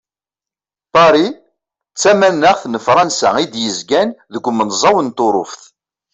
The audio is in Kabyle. Paris d tamanaxt n Frans i d-yezgan deg umenẓaw n Turuft.